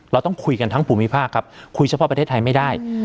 เราต้องคุยกันทั้งภูมิภาคครับคุยเฉพาะประเทศไทยไม่ได้